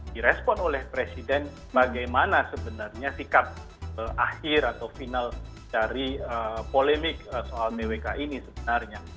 direspon oleh presiden bagaimana sebenarnya sikap akhir atau final dari polemik soal bwk ini sebenarnya